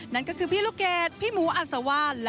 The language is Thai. นั่นก็คือพี่ลูกเกดพี่หมูอัสวาลและพี่ออร่า